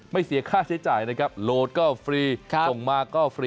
เสียค่าใช้จ่ายนะครับโหลดก็ฟรีส่งมาก็ฟรี